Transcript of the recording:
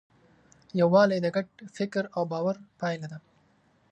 یووالی د ګډ فکر او باور پایله ده.